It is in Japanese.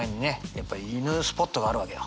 やっぱり犬スポットがあるわけよ。